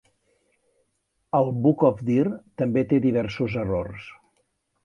El "Book of Deer" també té diversos errors.